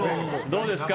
どうですか？